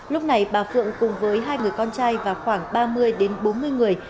lúc này bà phượng cùng với hai người con trai và khoảng ba mươi đến bốn mươi người